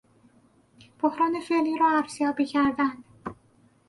بحران فعلی را ارزیابی کردن